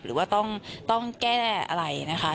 หรือว่าต้องแก้อะไรนะคะ